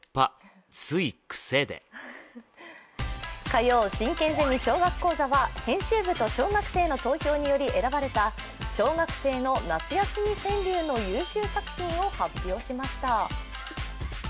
火曜、進研ゼミ小学講座は編集部と小学生の登場により選ばれた小学生の夏休み川柳の優秀作品を発表しました。